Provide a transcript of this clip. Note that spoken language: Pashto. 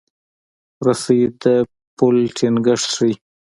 رسۍ د پل ټینګښت ښيي.